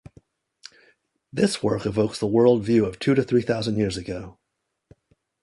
This work evokes the world view of two- to three thousand years ago.